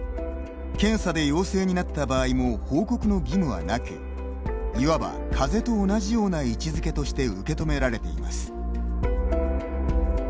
検査で陽性になった場合も報告の義務はなくいわば、かぜと同じような位置づけとして受け止められています。